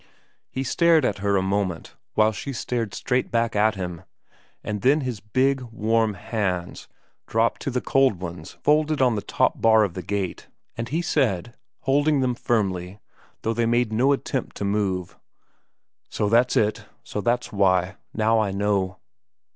He stared at her a moment while she stared straight back at him, and then his big warm hands dropped on to the cold ones folded on the top bar of the gate, and he said, holding them firmly though they made no attempt to move, ' So that's it. So that's why. Now I know.'